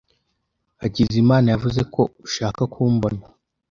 Hakizimana yavuze ko ushaka kumbona.